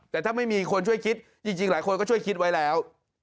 แต่ถ้าไม่มีคนช่วยคิดจริงหลายคนก็ช่วยคิดไว้แล้ว